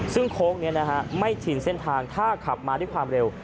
ซึ่งโค้งนี้ไม่ชินเส้นทางถ้าขับมาด้วยความเร็ว